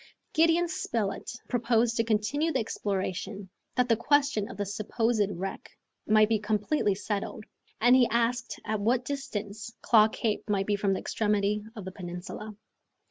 Gideon Spilett proposed to continue the exploration, that the question of the supposed wreck might be completely settled, and he asked at what distance Claw Cape might be from the extremity of the peninsula.